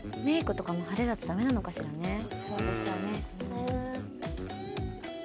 そうですよね。